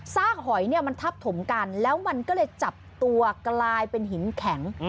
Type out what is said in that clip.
กหอยเนี่ยมันทับถมกันแล้วมันก็เลยจับตัวกลายเป็นหินแข็ง